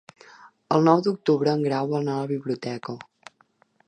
El nou d'octubre en Grau vol anar a la biblioteca.